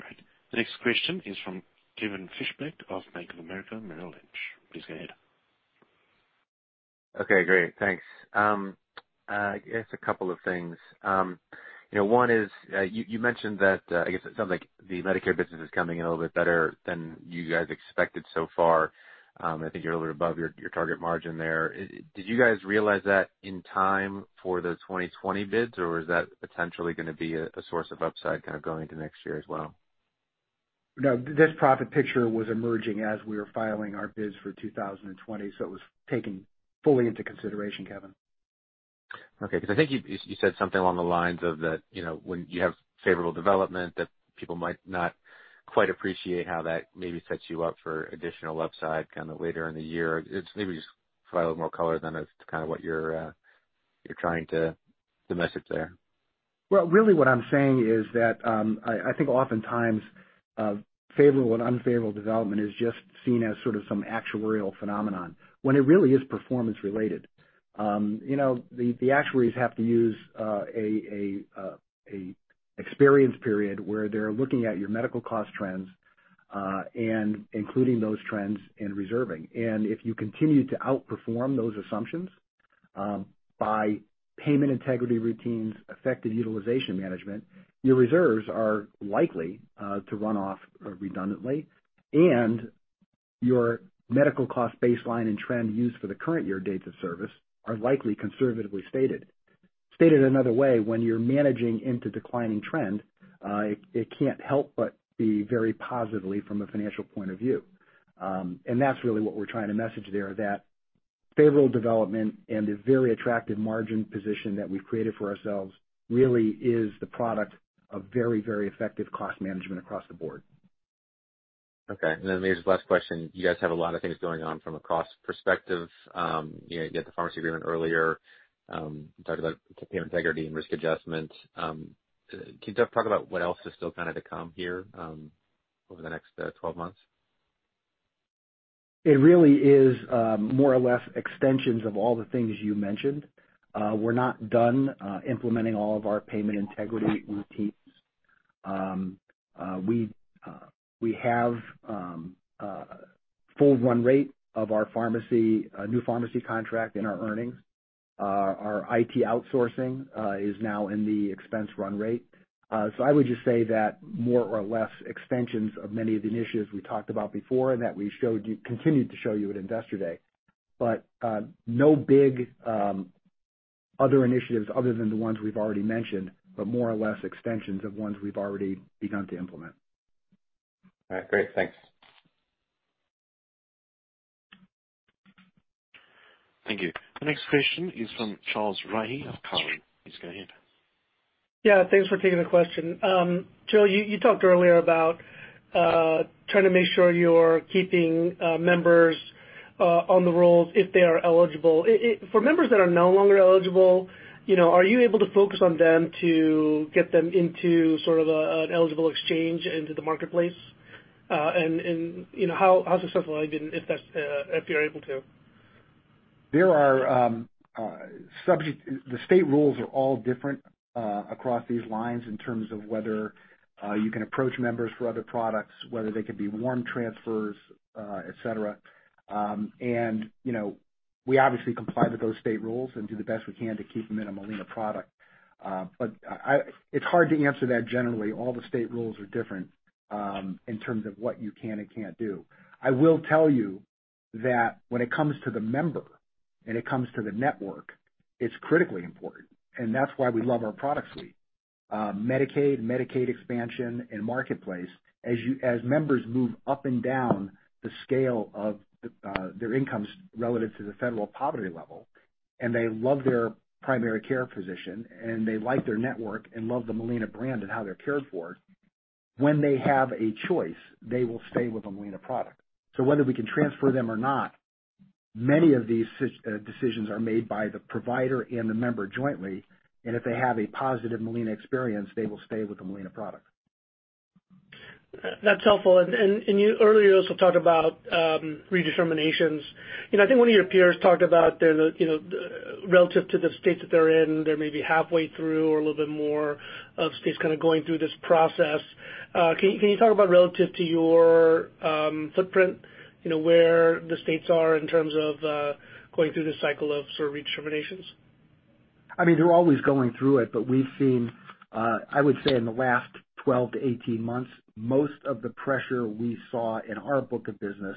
Great. The next question is from Kevin Fischbeck of Bank of America Merrill Lynch. Please go ahead. Okay, great. Thanks. I guess a couple of things. One is, you mentioned that, I guess it sounds like the Medicare business is coming in a little bit better than you guys expected so far. I think you're a little bit above your target margin there. Did you guys realize that in time for the 2020 bids or is that potentially going to be a source of upside kind of going into next year as well? No, this profit picture was emerging as we were filing our bids for 2020, so it was taken fully into consideration, Kevin. Okay. I think you said something along the lines of that when you have favorable development, that people might not quite appreciate how that maybe sets you up for additional upside kind of later in the year. Maybe just provide a little more color then as to kind of what you're trying to message there. Well, really what I'm saying is that, I think oftentimes, favorable and unfavorable development is just seen as sort of some actuarial phenomenon when it really is performance related. The actuaries have to use an experience period where they're looking at your medical cost trends, and including those trends in reserving. If you continue to outperform those assumptions by payment integrity routines, effective utilization management, your reserves are likely to run off redundantly, and your medical cost baseline and trend used for the current year dates of service are likely conservatively stated. Stated another way, when you're managing into declining trend, it can't help but be very positively from a financial point of view. That's really what we're trying to message there, that favorable development and the very attractive margin position that we've created for ourselves really is the product of very, very effective cost management across the board. Okay. Maybe just the last question. You guys have a lot of things going on from a cost perspective. You had the pharmacy agreement earlier. You talked about payment integrity and risk adjustment. Can you talk about what else is still kind of to come here over the next 12 months? It really is more or less extensions of all the things you mentioned. We're not done implementing all of our payment integrity routines. We have full run rate of our new pharmacy contract in our earnings. Our IT outsourcing is now in the expense run rate. I would just say that more or less extensions of many of the initiatives we talked about before and that we continued to show you at Investor Day. No big other initiatives other than the ones we've already mentioned, but more or less extensions of ones we've already begun to implement. All right, great. Thanks. Thank you. The next question is from Charles Rhyee of Cowen. Please go ahead. Yeah, thanks for taking the question. Joe, you talked earlier about trying to make sure you're keeping members on the rolls if they are eligible. For members that are no longer eligible, are you able to focus on them to get them into sort of an eligible exchange into the Marketplace? How successful have you been if you're able to? The state rules are all different across these lines in terms of whether you can approach members for other products, whether they could be warm transfers, et cetera. We obviously comply with those state rules and do the best we can to keep them in a Molina product. It's hard to answer that generally. All the state rules are different in terms of what you can and can't do. I will tell you that when it comes to the member, and it comes to the network, it's critically important, and that's why we love our product suite. Medicaid, Medicaid expansion, and Marketplace, as members move up and down the scale of their incomes relative to the federal poverty level, and they love their primary care physician, and they like their network, and love the Molina brand and how they're cared for, when they have a choice, they will stay with a Molina product. Whether we can transfer them or not, many of these decisions are made by the provider and the member jointly, and if they have a positive Molina experience, they will stay with the Molina product. That's helpful. Earlier, you also talked about redeterminations. I think one of your peers talked about relative to the state that they're in, they may be halfway through or a little bit more of states kind of going through this process. Can you talk about relative to your footprint where the states are in terms of going through this cycle of sort of redeterminations? They're always going through it. We've seen, I would say in the last 12-18 months, most of the pressure we saw in our book of business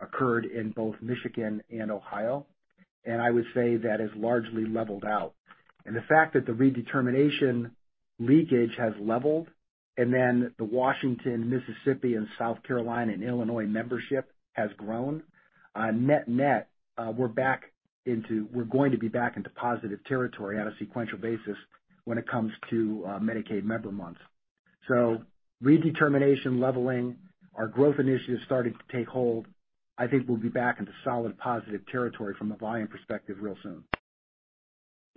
occurred in both Michigan and Ohio. I would say that has largely leveled out. The fact that the redetermination leakage has leveled, and then the Washington, Mississippi, and South Carolina, and Illinois membership has grown. Net net, we're going to be back into positive territory on a sequential basis when it comes to Medicaid member months. Redetermination leveling, our growth initiatives starting to take hold. I think we'll be back into solid positive territory from a volume perspective real soon.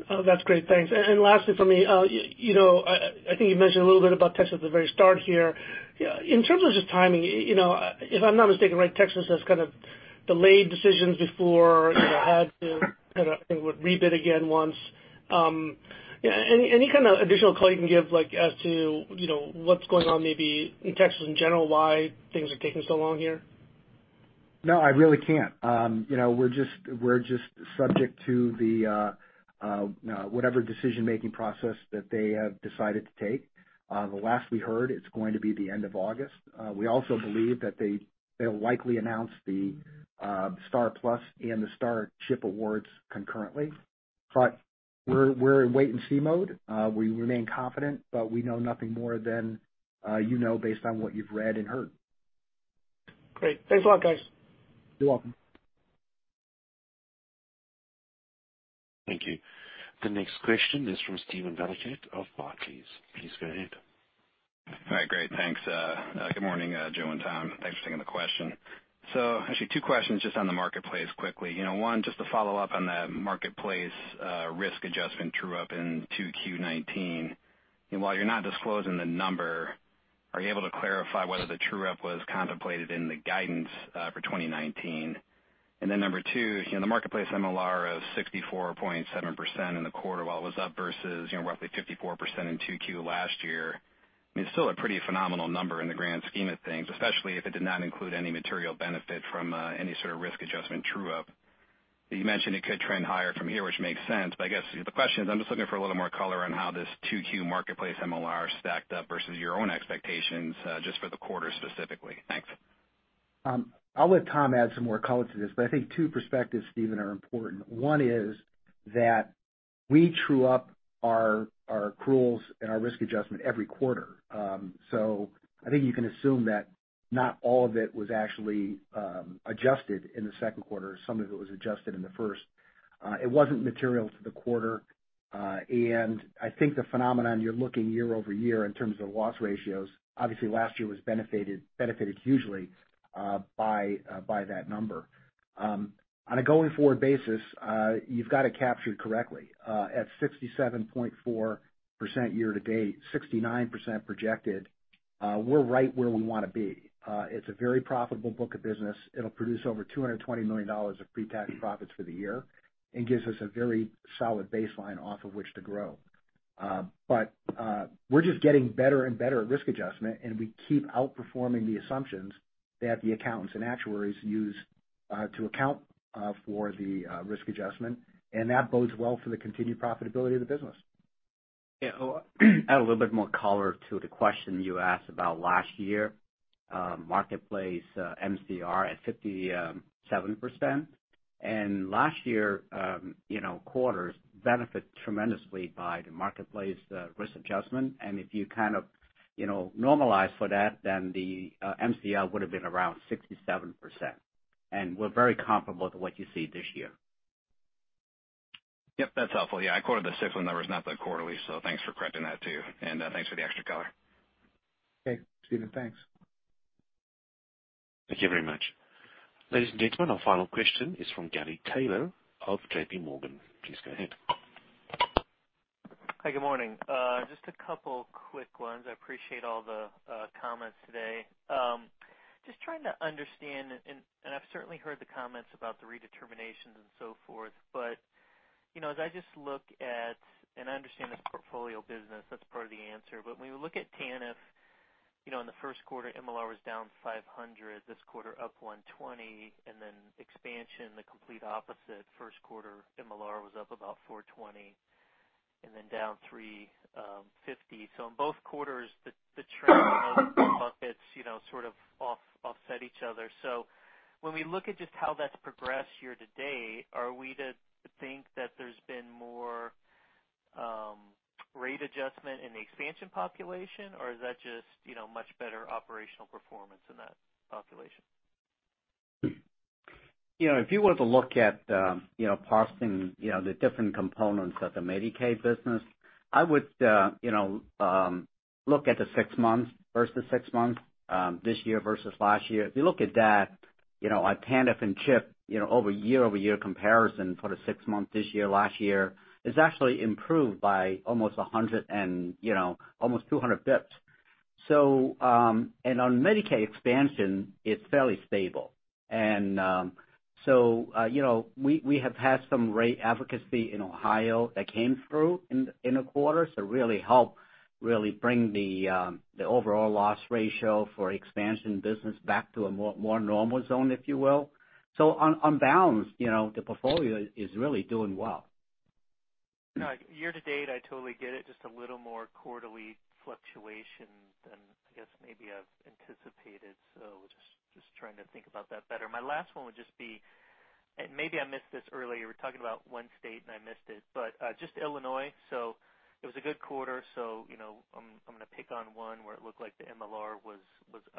Oh, that's great. Thanks. Lastly from me, I think you mentioned a little bit about Texas at the very start here. In terms of just timing, if I'm not mistaken, Texas has kind of delayed decisions before, had to rebid again once. Any kind of additional color you can give as to what's going on maybe in Texas in general, why things are taking so long here? No, I really can't. We're just subject to whatever decision-making process that they have decided to take. The last we heard, it's going to be the end of August. We also believe that they'll likely announce the STAR+PLUS and the STAR CHIP awards concurrently. We're in wait-and-see mode. We remain confident, but we know nothing more than you know based on what you've read and heard. Great. Thanks a lot, guys. You're welcome. Thank you. The next question is from Steven Valiquette of Barclays. Please go ahead. All right. Great. Thanks. Good morning, Joe and Tom. Thanks for taking the question. Actually two questions just on the Marketplace quickly. One, just to follow up on the Marketplace risk adjustment true-up in 2Q 2019. While you're not disclosing the number, are you able to clarify whether the true-up was contemplated in the guidance for 2019? Number two, the Marketplace MLR of 64.7% in the quarter, while it was up versus roughly 54% in 2Q last year, it's still a pretty phenomenal number in the grand scheme of things, especially if it did not include any material benefit from any sort of risk adjustment true-up. You mentioned it could trend higher from here, which makes sense. I guess the question is, I'm just looking for a little more color on how this 2Q Marketplace MLR stacked up versus your own expectations, just for the quarter specifically. Thanks. I'll let Tom add some more color to this, but I think two perspectives, Steven, are important. One is that we true up our accruals and our risk adjustment every quarter. I think you can assume that not all of it was actually adjusted in the second quarter. Some of it was adjusted in the first. It wasn't material to the quarter. I think the phenomenon you're looking year-over-year in terms of loss ratios, obviously last year was benefited hugely by that number. On a going forward basis, you've got it captured correctly. At 67.4% year-to-date, 69% projected, we're right where we want to be. It's a very profitable book of business. It'll produce over $220 million of pre-tax profits for the year and gives us a very solid baseline off of which to grow. We're just getting better and better at risk adjustment, and we keep outperforming the assumptions that the accountants and actuaries use to account for the risk adjustment, and that bodes well for the continued profitability of the business. Yeah. I'll add a little bit more color to the question you asked about last year. Marketplace MCR at 57%. Last year quarters benefit tremendously by the Marketplace risk adjustment. If you kind of normalize for that, then the MCR would've been around 67%. We're very comparable to what you see this year. Yep, that's helpful. Yeah, I quoted the six-month numbers, not the quarterly, so thanks for correcting that, too. Thanks for the extra color. Okay. Steven, thanks. Thank you very much. Ladies and gentlemen, our final question is from Gary Taylor of JPMorgan. Please go ahead. Hi, good morning. Just a couple quick ones. I appreciate all the comments today. Just trying to understand, and I've certainly heard the comments about the redeterminations and so forth. As I just look at, and I understand it's portfolio business, that's part of the answer, but when we look at TANF, in the first quarter, MLR was down 500 basis points, this quarter up 120 basis points, and then expansion, the complete opposite. First quarter MLR was up about 420 basis points and then down 350 basis points. In both quarters, the trend of the buckets sort of offset each other. When we look at just how that's progressed year to date, are we to think that there's been more rate adjustment in the expansion population, or is that just much better operational performance in that population? If you were to look at parsing the different components of the Medicaid business, I would look at the six months, first of six months, this year versus last year. If you look at that, TANF and CHIP, year-over-year comparison for the six months this year, last year, has actually improved by almost 200 basis points. On Medicaid expansion, it's fairly stable. We have had some rate advocacy in Ohio that came through in a quarter, so really help bring the overall loss ratio for expansion business back to a more normal zone, if you will. On balance, the portfolio is really doing well. Year-to-date, I totally get it. Just a little more quarterly fluctuation than I guess maybe I've anticipated. Just trying to think about that better. My last one would just be, and maybe I missed this earlier, we're talking about one state and I missed it, but just Illinois. It was a good quarter, so I'm going to pick on one where it looked like the MLR was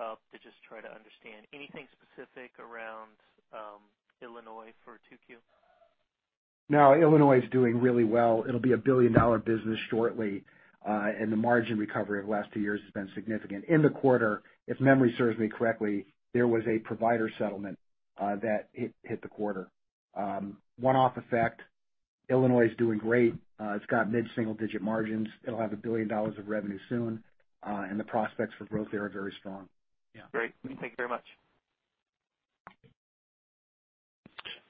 up to just try to understand. Anything specific around Illinois for 2Q? Illinois is doing really well. It'll be a billion-dollar business shortly. The margin recovery of the last two years has been significant. In the quarter, if memory serves me correctly, there was a provider settlement that hit the quarter. One-off effect. Illinois is doing great. It's got mid-single-digit margins. It'll have $1 billion of revenue soon. The prospects for growth there are very strong. Great. Thank you very much.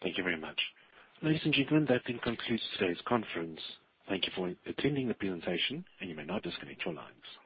Thank you very much. Ladies and gentlemen, that then concludes today's conference. Thank you for attending the presentation, and you may now disconnect your lines.